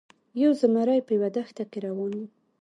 یو زمری په یوه دښته کې روان و.